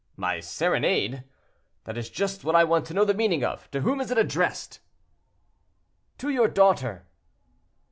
"My serenade! that is just what I want to know the meaning of; to whom is it addressed?" "To your daughter."